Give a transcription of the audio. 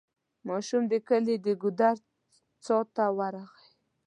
ماشوم د کلي د ګودر څا ته ورغی.